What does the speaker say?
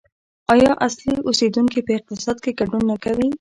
آیا اصلي اوسیدونکي په اقتصاد کې ګډون نه کوي؟